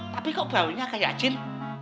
tapi kok baunya kayak jin